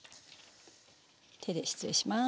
手で失礼します。